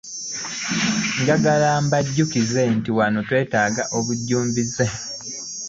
Njagala mbajjukize nti wano twetaaga obujjumbize.